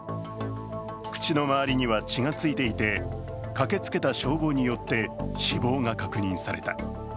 口の周りには血がついていて、駆けつけた消防によって死亡が確認された。